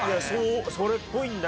それっぽいんだけど。